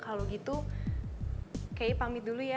kalau gitu kayaknya pamit dulu ya